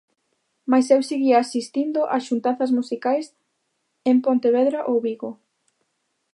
Mais eu seguía asistindo a xuntanzas musicais en Pontevedra ou Vigo.